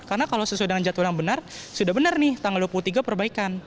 karena kalau sesuai dengan jadwal yang benar sudah benar nih tanggal dua puluh tiga perbaikan